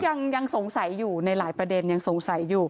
ยังสงสัยอยู่ในหลายประเด็นยังสงสัยอยู่